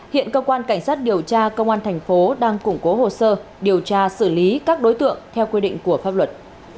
hiện cơ quan cảnh sát điều tra công an thành phố đang củng cố hồ sơ điều tra xử lý các đối tượng theo quy định của pháp luật